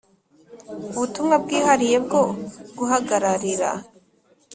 ubutumwa bwihariye bwo guhagararira